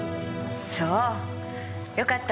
そうよかったわね。